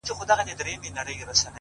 زه چي تا وينم لېونی سمه له حاله وځم _